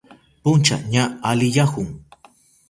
Puncha ña aliyahun.